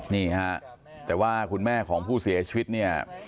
นี่ฮะแต่ว่าคุณแม่ของผู้เสียชีวิตเนี่ย